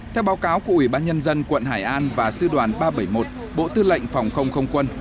theo báo cáo của ubnd quận hải an và sư đoàn ba trăm bảy mươi một bộ tư lệnh phòng không không quân